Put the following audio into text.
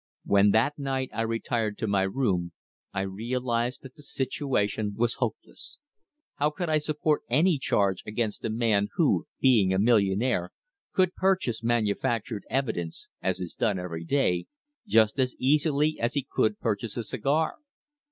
When that night I retired to my room I realized that the situation was hopeless. How could I support any charge against a man who, being a millionaire, could purchase manufactured evidence as is done every day just as easily as he could purchase a cigar?